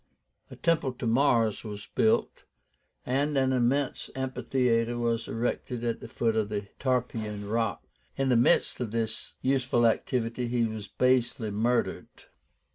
A temple to Mars was built, and an immense amphitheatre was erected at the foot of the Tarpeian Rock. In the midst of this useful activity he was basely murdered.